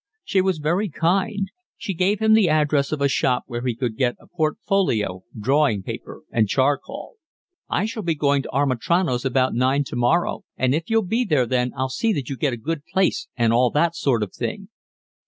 She was very kind. She gave him the address of a shop where he could get a portfolio, drawing paper, and charcoal. "I shall be going to Amitrano's about nine tomorrow, and if you'll be there then I'll see that you get a good place and all that sort of thing."